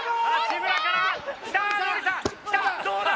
どうだ？